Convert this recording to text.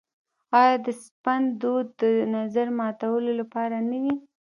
آیا د سپند دود کول د نظر ماتولو لپاره نه وي؟